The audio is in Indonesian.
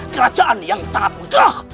kerajaan yang sangat megah